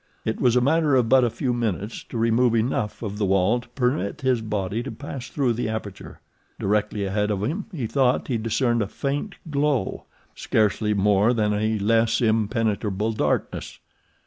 It was a matter of but a few minutes to remove enough of the wall to permit his body to pass through the aperture. Directly ahead of him he thought he discerned a faint glow—scarcely more than a less impenetrable darkness.